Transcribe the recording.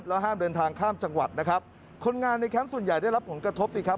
ห้ามเดินทางข้ามจังหวัดนะครับคนงานในแคมป์ส่วนใหญ่ได้รับผลกระทบสิครับ